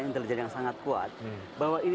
intelijen yang sangat kuat bahwa ini